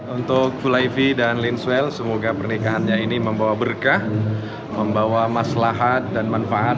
untuk fulaifi dan lin swell semoga pernikahannya ini membawa berkah membawa maslahat dan manfaat